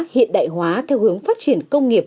hiện đại hóa theo hướng phát triển công nghiệp